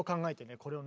これをね